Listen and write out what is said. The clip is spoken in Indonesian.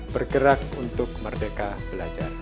bergerak untuk merdeka belajar